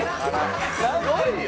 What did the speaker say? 「すごいよ！